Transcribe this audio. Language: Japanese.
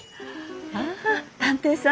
ああ探偵さん。